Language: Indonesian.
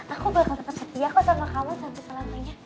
aku bakal tetep setia sama kamu sampai selamanya